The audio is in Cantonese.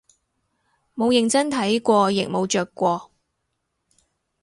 冇認真睇過亦冇着過